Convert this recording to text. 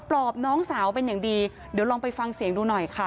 รอบน้องสาวเป็นอย่างดีเดี๋ยวลองไปฟังเสียงดูหน่อยค่ะ